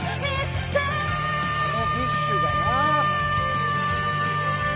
「あのＢｉＳＨがなあ」